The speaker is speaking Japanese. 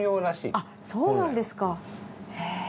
あっそうなんですかへぇ。